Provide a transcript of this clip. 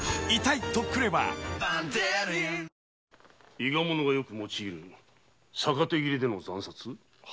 伊賀者がよく用いる逆手斬りでの惨殺？